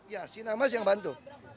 ya sinarmas yang bantu